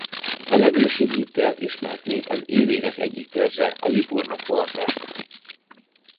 A legősibb itt élt ismert nép az illírek egyik törzse a liburnok voltak.